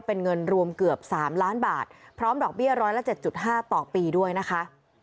เป็นเงินรวมเกือบ๓ล้านบาทพร้อมดอกเบี้ยร้อยละ๗๕ต่อปีด้วยนะคะ